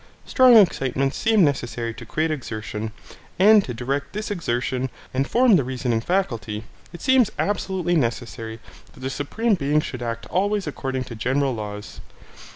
Strong excitements seem necessary to create exertion, and to direct this exertion, and form the reasoning faculty, it seems absolutely necessary, that the Supreme Being should act always according to general laws.